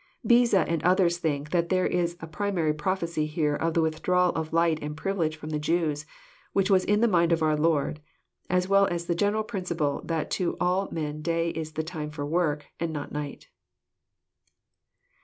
Beza and others think that there is a primary prophecy here of the withdrawal of light and privilege from the Jews, which was in the mind of our Lord, as well as the general principle that to all men day is the time for work and not night.